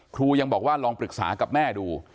ยังบอกว่าลองปรึกษากับแม่ดู